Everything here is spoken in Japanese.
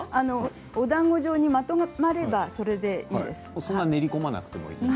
おだんご状にまとまればそれでいいです。